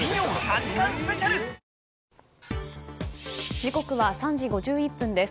時刻は３時５１分です。